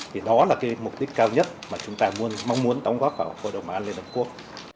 thì đó là cái mục đích cao nhất mà chúng ta mong muốn đóng góp vào hội đồng bảo an liên hợp quốc